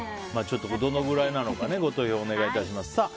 どのくらいなのかご投票お願いします。